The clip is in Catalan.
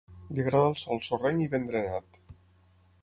Li agrada el sòl sorrenc i ben drenat.